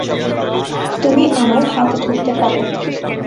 তুমি আমার হাত ধরতে পারো।